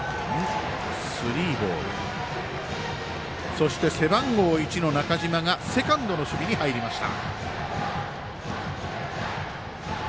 そして、背番号１の中嶋がセカンドの守備に入りました。